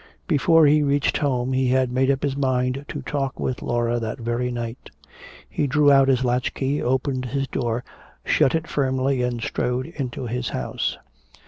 Before he reached home he had made up his mind to talk with Laura that very night. He drew out his latchkey, opened his door, shut it firmly and strode into his house.